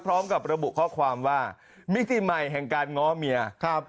พร้อมกับระบุข้อความว่ามิติใหม่แห่งการง้อเมียครับ